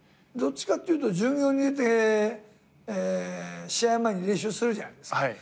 どっちかっていうと巡業に出て試合前に練習するじゃないですか。